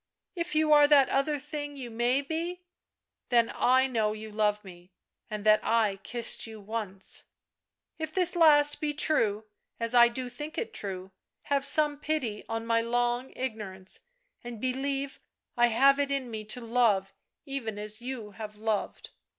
" If you are that other thing you may be, then I know you love me, and that I kissed you once. " If this last be true, as I do think it true, have some pity on my long ignorance and believe I have it in me to love even as you have loved.